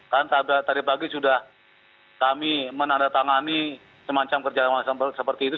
kan tadi pagi sudah kami menandatangani semacam kerjaan seperti itu